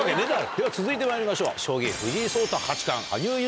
では続いてまいりましょう。